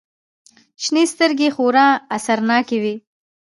شنې سترگې يې خورا اثرناکې وې.